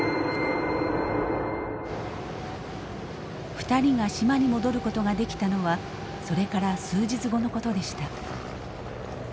２人が島に戻ることができたのはそれから数日後のことでした。